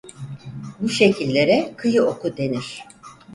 Bu şekillere "kıyı oku" denir.